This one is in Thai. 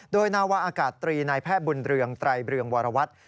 โดยนาวาอากาศตรีนายแพทย์บุญเรืองไตรเรืองวรวัตร